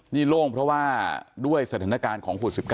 นี่โล่งเพราะว่าด้วยสถานการณ์ของโควิด๑๙